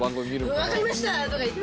「分かりました」とか言って。